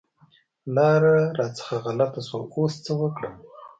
لاره رانه غلطه شوه، اوس څه وکړم؟